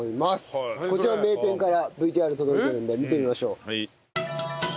こちらも名店からＶＴＲ届いているので見てみましょう。